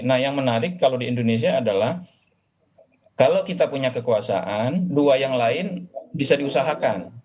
nah yang menarik kalau di indonesia adalah kalau kita punya kekuasaan dua yang lain bisa diusahakan